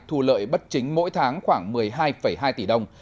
thu lợi bất chính mỗi tháng khoảng một mươi hai hai tỷ đồng